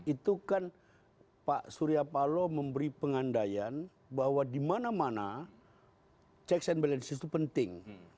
itu kan pak surya paloh memberi pengandaian bahwa di mana mana checks and balances itu penting